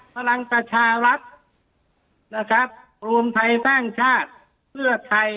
พลังประชารัฐนะครับรวมไทยสร้างชาติเพื่อไทย